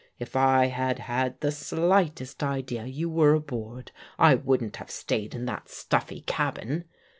If I had had the slightest idea you were aboard, I wouldn't have stayed in that stuffy cabin.